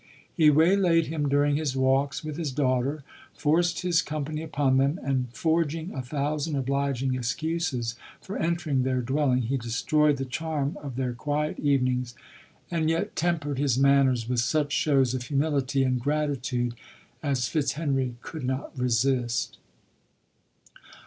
He waylaid him during his walks with his daugh ter — forced his company upon them, and foru ms' a thousand oblioino* excuses for entering their dwelling, he destroyed the charm of their quiet evenings, and yet tempered his manners )6 LODOKK. K with such shows of humility and gratitude as Fitzhenry could not resist.